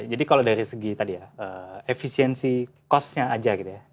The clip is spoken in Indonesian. jadi kalau dari segi tadi ya efisiensi cost nya aja gitu ya